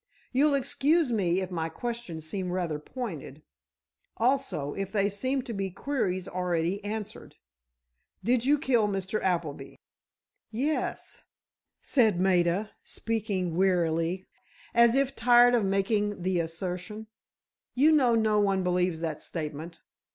You'll excuse me if my questions seem rather pointed, also, if they seem to be queries already answered. Did you kill Mr. Appleby?" "Yes," said Maida, speaking wearily, as if tired of making the assertion. "You know no one believes that statement?"